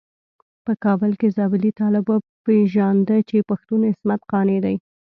په کابل کې زابلي طالب وپيژانده چې پښتون عصمت قانع دی.